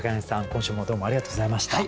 今週もどうもありがとうございました。